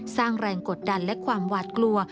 สร้างแรงกดดันและความหวาดกลัว